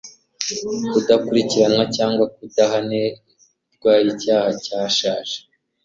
kudakurikiranwa cyangwa kudahanirwa icyaha cyashaje